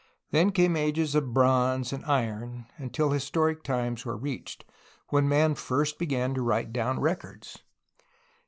Then came ages of bronze and iron, until historic times were reached, when man first began to write down records.